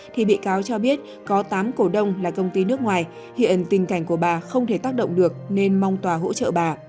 thì bị cáo cho biết có tám cổ đông là công ty nước ngoài hiện tình cảnh của bà không thể tác động được nên mong tòa hỗ trợ bà